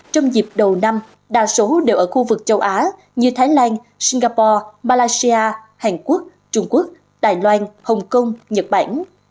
trong dịp đầu năm đa số đều ở khu vực châu á như thái lan singapore malaysia hàn quốc trung quốc đài loan hồng kông nhật bản